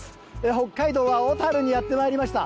北海道は小樽にやってまいりました。